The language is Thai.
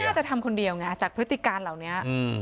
คุณไม่น่าจะทำคนเดียวจากพฤติการเหล่านี้